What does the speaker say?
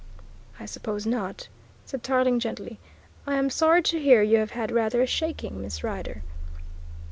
"I suppose not," said Tarling gently. "I am sorry to hear you have had rather a shaking, Miss Rider."